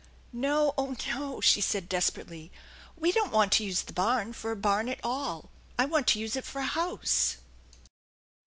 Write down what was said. " No, oh, no ! she said desperately. " We don't want to use the barn for a barn at all. I want to use it for a house